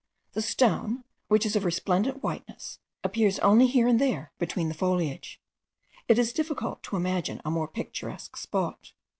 The stone, which is of resplendent whiteness, appears only here and there between the foliage. It is difficult to imagine a more picturesque spot.